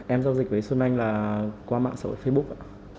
em giao dịch với xuân anh là qua mạng xã hội facebook